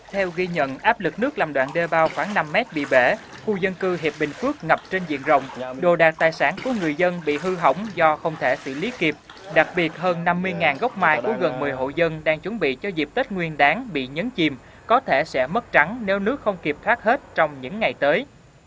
theo ghi nhận áp lực nước làm đoạn đê bao khoảng năm mét bị bể khu dân cư hiệp bình phước ngập trên diện rộng đồ đạc tài sản của người dân bị hư hỏng do không thể xử lý kịp đặc biệt hơn năm mươi gốc mai của gần một mươi hộ dân đang chuẩn bị cho dịp tết nguyên đáng bị nhấn chìm có thể sẽ mất trắng nếu nước không kịp thoát hết trong những ngày tới